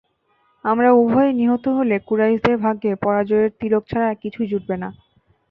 আমরা উভয়ে নিহত হলে কুরাইশদের ভাগ্যে পরাজয়ের তিলক ছাড়া আর কিছুই জুটবে না।